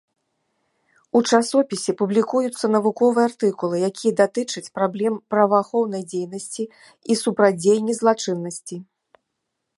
У часопісе публікуюцца навуковыя артыкулы, якія датычаць праблем праваахоўнай дзейнасці і супрацьдзеяння злачыннасці.